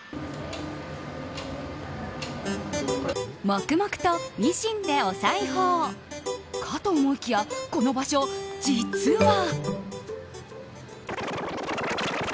黙々とミシンでお裁縫かと思いきや、この場所実は。